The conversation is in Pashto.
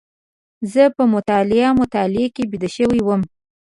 زه په مطالعه مطالعه کې بيده شوی وم.